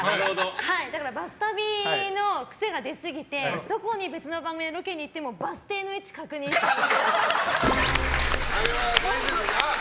バス旅の癖が出すぎてどこに別の番組でロケに行ってもバス停の位置を確認しちゃう。